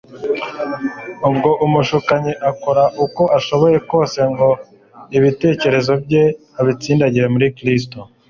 Ubwo umushukanyi akora uko ashoboye kose ngo ibitekerezo bye abitsindagire muri Kristo: